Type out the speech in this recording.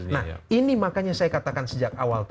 nah ini makanya saya katakan sejak awal tadi